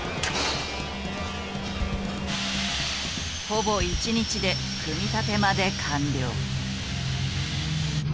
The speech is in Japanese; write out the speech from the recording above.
ほぼ１日で組み立てまで完了。